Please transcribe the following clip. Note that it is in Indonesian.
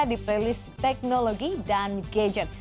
di playlist teknologi dan gadget